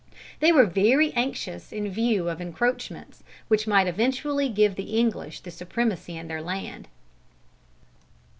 They were very anxious in view of encroachments which might eventually give the English the supremacy in their land.